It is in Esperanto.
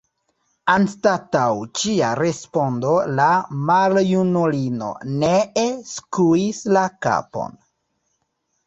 Anstataŭ ĉia respondo la maljunulino nee skuis la kapon.